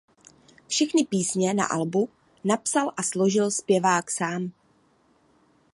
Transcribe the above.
Všechny písně na albu napsal a složil zpěvák sám.